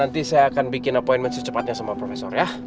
nanti saya akan bikin appointment secepatnya sama profesor ya